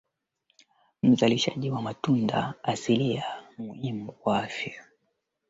asilimia kubwa ya watu walikuwa wanaishi na virusi vya ukimwi